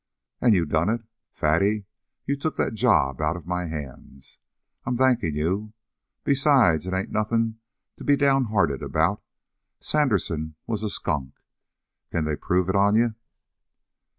"And you done it? Fatty, you took that job out of my hands. I'm thanking you. Besides, it ain't nothing to be downhearted about. Sandersen was a skunk. Can they prove it on you?"